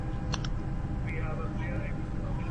حقوقو پوهنځۍ په خپلواکه توګه نه اداره کیږي.